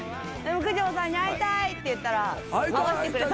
九条さんに会いたいって言ったら会わせてくれた。